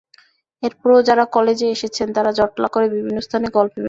এরপরও যাঁরা কলেজে এসেছেন, তাঁরা জটলা করে বিভিন্ন স্থানে গল্পে মেতেছেন।